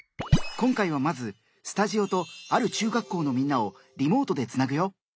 今回はまずスタジオとある中学校のみんなをリモートでつなぐよ！